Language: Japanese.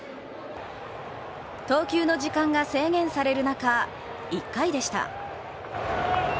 投球の時間が制限される中、１回でした。